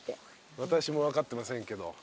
私も分かってませんけど。